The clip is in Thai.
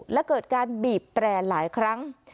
และเกิดการบีบแตร่หลายครั้ง